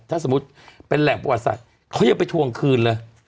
ถ้าสมมุติเป็นแหล่งประวัติศาสตร์เขายังไปทวงคืนเลย